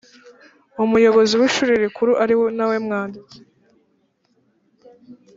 Umuyobozi w Ishuri Rikuru ari na we mwanditsi